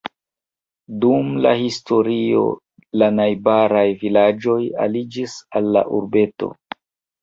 Dum la historio la najbaraj vilaĝoj aliĝis al la urbeto.